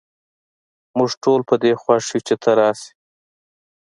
موږ ټول په دي خوښ یو چې ته راشي